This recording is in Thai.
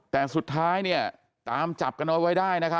แต่สุดท้ายตามจับกระนดต์ไว้ได้